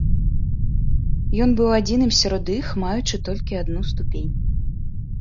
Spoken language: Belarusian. Ён быў адзіным сярод іх, маючым толькі адну ступень.